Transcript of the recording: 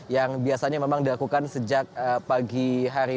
yang biasanya memang dilakukan sejak pagi hari